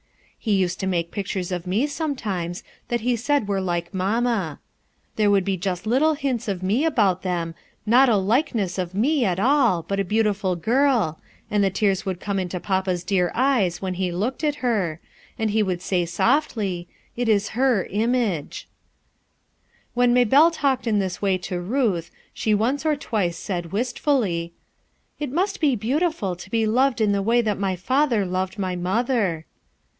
He used to make pictures of me, sometimes, that he said were like mamma. There would be just little hints of me about them, not a likeness of me at all, but a beautiful girl, and the tears would come into papa's dear eyes when he looked at her, and he would say softly, 'It b her image/ " When Maybelle talked in this way to Ruth, die once or twice said wistfully :— "It must be beautiful to be loved in the way that my father loved my mother."